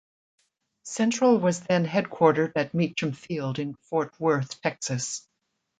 Central was then headquartered at Meacham Field in Fort Worth, Texas.